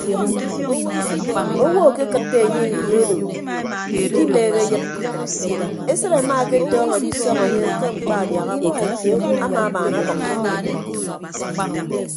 Owo akekịtte enye ini odo ikimeehe eyịd esịt amaaketọñọ edisọñ enye ke mkpa adiaha amọ amamaanabʌññọ.